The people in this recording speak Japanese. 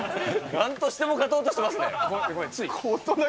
なんとしても勝とうとしてまつい。